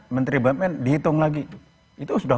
menteri bumn dihitung lagi itu sudah